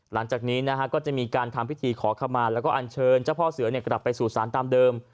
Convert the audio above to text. หลังจากนี้นะฮะก็จะมีการทำพิธีขอขมาแล้วก็อันเชิญเจ้าพ่อเสือกลับไปสู่ศาลตามเดิม